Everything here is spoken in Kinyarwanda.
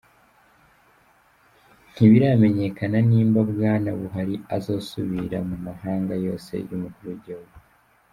Ntibiramenyekana nimba Bwana Buhari azosubira mu mabanga yose y'umukuru w'igihugu.